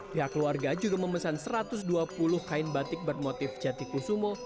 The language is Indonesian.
pihak keluarga juga memesan satu ratus dua puluh kain batik bermotif jatikusumo